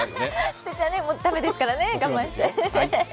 捨てちゃ駄目ですからね我慢して。